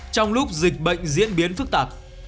trong lúc dịch bệnh diễn biến phức tạp